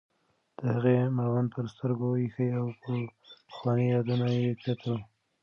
د هغې مړوند پر سترګو ایښی و او پخواني یادونه یې کتل.